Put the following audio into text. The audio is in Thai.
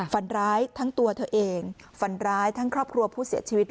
ฝันร้ายทั้งตัวเธอเองฝันร้ายทั้งครอบครัวผู้เสียชีวิต